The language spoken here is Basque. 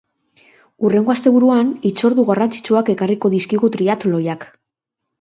Hurrengo asteburuan hitzordu garrantzitsuak ekarriko dizkigu triatloiak.